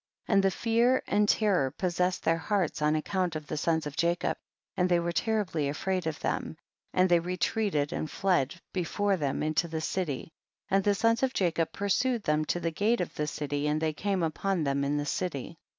8. And fear and terror possessed their hearts on account of the sons of Jacob, and they were terribly afraid of them, and they retreated and fled before them into the city, and the sons of Jacob pursued them to the gate of the city, and they came upon them in the city.